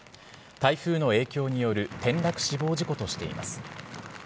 台風の影響による転落死亡事故としています。